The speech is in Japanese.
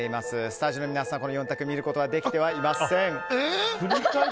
スタジオの皆さんは４択を見ることはできていません。